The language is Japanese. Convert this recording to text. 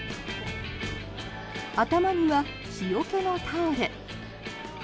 頭には日よけのタオル。